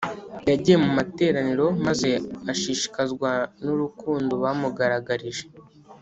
Yagiye mu materaniro maze ashishikazwa n urukundo bamugaragarije